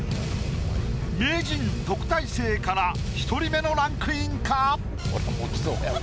名人特待生から１人目のランクインか？